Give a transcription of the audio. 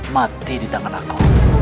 mati di tangan aku